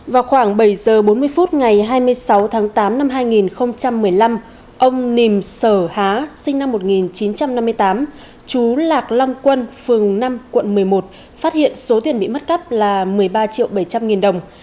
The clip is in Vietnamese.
vào khoảng bảy h bốn mươi phút ngày hai mươi sáu tháng tám năm hai nghìn một mươi năm ông nìm sở há sinh năm một nghìn chín trăm năm mươi tám chú lạc long quân phường năm quận một mươi một phát hiện số tiền bị mất cắp là một mươi ba triệu bảy trăm linh nghìn đồng